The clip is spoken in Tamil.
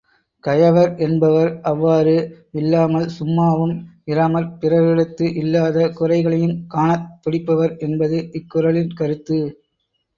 கயவர் என்பவர் அவ்வாறு இல்லாமல், சும்மாவும் இராமற் பிறரிடத்து இல்லாத குறைகளையுங்காணத் துடிப்பவர் என்பது இக் குறளின் கருத்து.